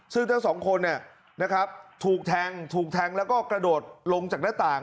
ซึ่งทั้งสองคนถูกแทงถูกแทงแล้วก็กระโดดลงจากหน้าต่าง